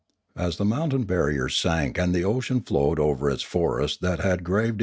As the mountain barrier sank and the oceau flowed over its forests that had graved.